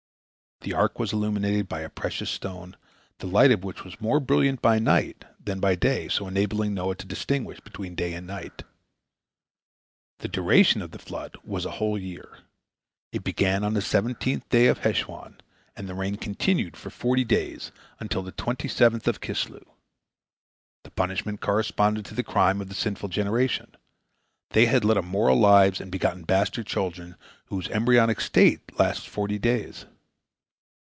The ark was illuminated by a precious stone, the light of which was more brilliant by night than by day, so enabling Noah to distinguish between day and night. The duration of the flood was a whole year. It began on the seventeenth day of Heshwan, and the rain continued for forty days, until the twenty seventh of Kislew. The punishment corresponded to the crime of the sinful generation. They had led immoral lives, and begotten bastard children, whose embryonic state lasts forty days.